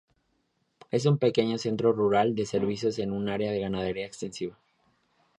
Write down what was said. Es un pequeño centro rural de servicios en un área de ganadería extensiva.